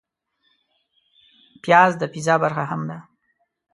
پیاز د پیزا برخه هم ده